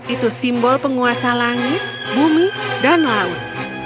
itu simbol penguasa langit bumi dan laut